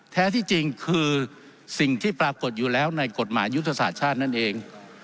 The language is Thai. แท้ที่จริงคือสิ่งที่ปรากฏอยู่แล้วในกฎหมายยุทธศาสตร์ชาตินั่นเอง